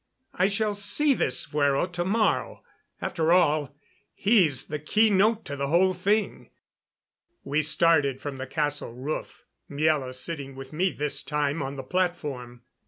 I shall see this Fuero to morrow. After all, he's the key note to the whole thing." We started from the castle roof, Miela sitting with me this time on the platform.